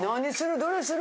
どれする？